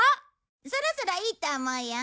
そろそろいいと思うよ。